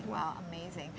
wow luar biasa